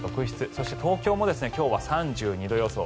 そして東京も今日は３２度予想。